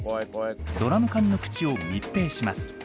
ドラム缶の口を密閉します。